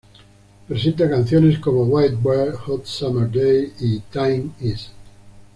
Presenta canciones como "White Bird", "Hot Summer Day" y "Time Is".